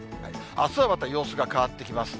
あすはまた様子が変わってきます。